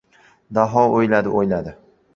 Daho o‘yladi-o‘yladi...